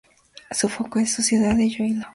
Su foco es la ciudad de Iloílo.